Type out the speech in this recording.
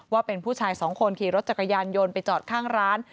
ว่าเป็นผู้ชายสองคนขี่รถจักรยานยนต์ไปจอดข้างร้าน